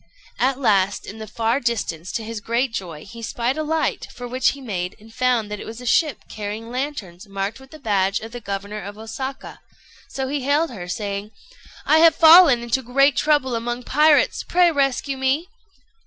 At last, in the far distance, to his great joy, he spied a light, for which he made, and found that it was a ship carrying lanterns marked with the badge of the governor of Osaka; so he hailed her, saying "I have fallen into great trouble among pirates: pray rescue me."